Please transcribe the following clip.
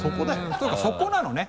そうかそこなのね。